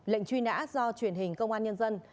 lệnh truy nã do truyền hình công an nhân dân